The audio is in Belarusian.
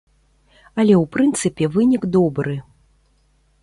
Але ў прынцыпе вынік добры.